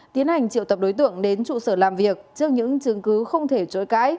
tiến hành triệu tập đối tượng đến trụ sở làm việc trước những chứng cứ không thể chối cãi